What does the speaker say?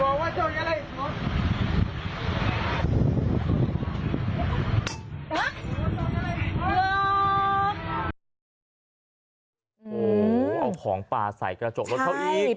โอ้โหเอาของป่าใส่กระจกรถเขาอีก